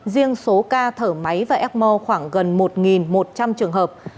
riêng số ca thở máy và ecmo khoảng gần một một trăm linh trường hợp